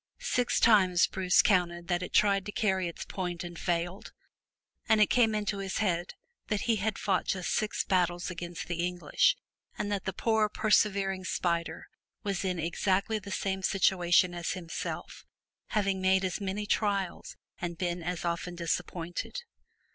Six times Bruce counted that it tried to carry its point and failed, and it came into his head that he had fought just six 283 MY BOOK HOUSE battles against the English, and that the poor persevering spider was in exactly the same situation as himself, having made as many trials and been as often disappointed.